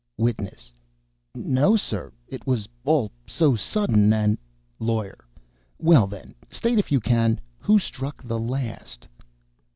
WITNESS. "No, sir, it was all so sudden, and " LAWYER. "Well, then, state, if you can, who struck the last."